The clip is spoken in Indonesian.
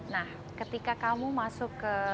nah ketika kamu masuk ke